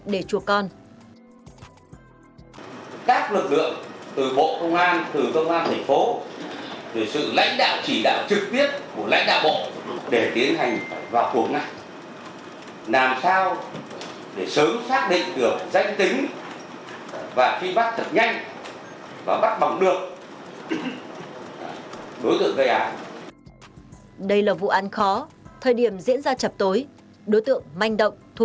các lực lượng từ bộ công an từ công an tp từ sự lãnh đạo chỉ đạo trực tiếp của lãnh đạo bộ